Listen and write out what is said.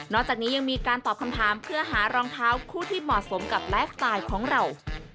จากนี้ยังมีการตอบคำถามเพื่อหารองเท้าคู่ที่เหมาะสมกับไลฟ์สไตล์ของเรา